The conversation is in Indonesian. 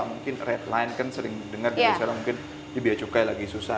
mungkin redline kan sering dengar biar biaya cukai lagi susah